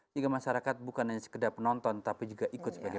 juga masyarakat bukan hanya sekedar penonton tapi juga ikut sebagai